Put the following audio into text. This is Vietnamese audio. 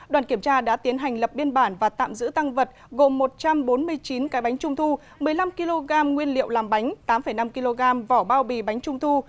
đoàn kiểm tra đã tiến hành lập biên bản và tạm giữ tăng vật gồm một trăm bốn mươi chín cái bánh trung thu một mươi năm kg nguyên liệu làm bánh tám năm kg vỏ bao bì bánh trung thu